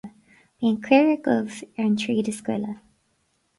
Bíonn caora dhubh ar an tréad is gile